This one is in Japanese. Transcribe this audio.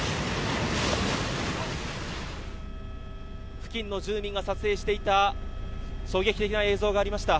付近の住人が撮影していた衝撃的な映像がありました。